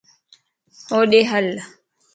ھوڏي ھل